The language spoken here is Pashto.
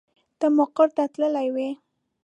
ته مقر ته تللې وې.